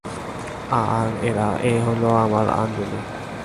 আর এই হলো আমার আঞ্জলি।